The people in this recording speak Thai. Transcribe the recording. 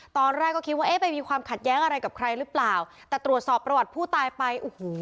ตอนแรกก็คิดว่าเอ๊ะไปมีความขัดแย้งอะไรกับใครหรือเปล่าแต่ตรวจสอบประวัติผู้ตายไปโอ้โห